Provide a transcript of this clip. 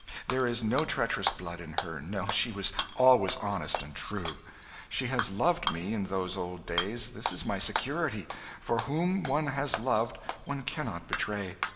There is no treacherous blood in her no, she was always honest and true. She has loved me, in those old days this is my security; for whom one has loved, one cannot betray."